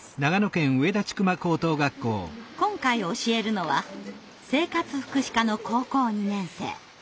今回教えるのは生活福祉科の高校２年生。